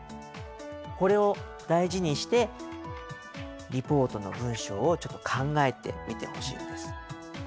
これを大事にしてリポートの文章をちょっと考えてみてほしいんです。